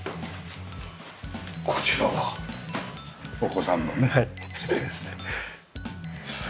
こちらがお子さんのねスペースで。